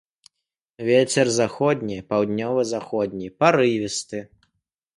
Вецер заходні, паўднёва-заходні парывісты.